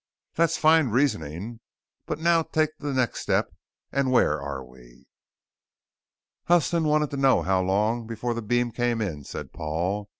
"That's fine reasoning. But now take the next step and where are we?" "Huston wanted to know how long before the beam came in," said Paul.